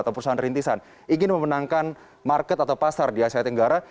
atau perusahaan rintisan ingin memenangkan market atau pasar di asia tenggara